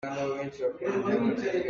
Orhlei ah naa mer lai.